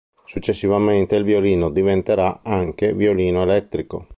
Successivamente il violino diventerà anche violino elettrico.